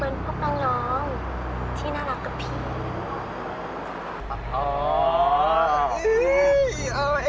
เดี๋ยวมันก็เป็นน้องที่น่ารักกับพี่